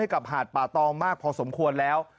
กับหาดป่าตองมากพอสมควรแล้ว